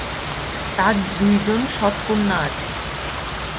তার দুইজন সৎ কন্যা আছে।